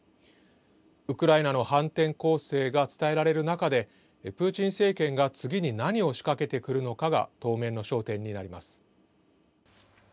ウクライナの反転攻勢が伝えられる中で、プーチン政権が次に何を仕掛けてくるのかが当面の焦点になります。